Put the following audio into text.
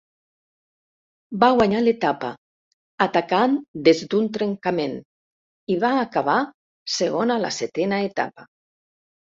Va guanyar l'etapa, atacant des d'un trencament, i va acabar segon a la setena etapa.